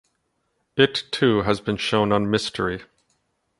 It too has been shown on Mystery!